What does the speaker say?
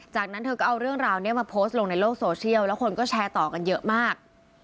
จากนั้นเธอก็เอาเรื่องราวนี้มาโพสต์ลงในโลกโซเชียลแล้วคนก็แชร์ต่อกันเยอะมาก